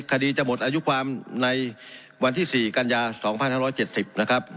คดีจะหมดอายุความในวันที่๔กันยา๒๕๗๐นะครับ